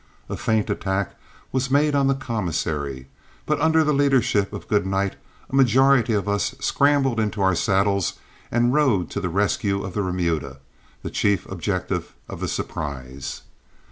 A feint attack was made on the commissary, but under the leadership of Goodnight a majority of us scrambled into our saddles and rode to the rescue of the remuda, the chief objective of the surprise.